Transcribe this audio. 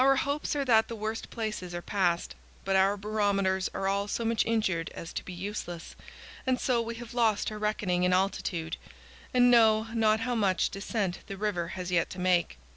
263 Our hopes are that the worst places are passed, but our barometers are all so much injured as to be useless, and so we have lost our reckoning in altitude, and know not how much descent the river has yet to make.